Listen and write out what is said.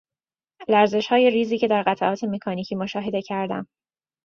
لرزشهای ریزی را در قطعات مکانیکی مشاهده کردم.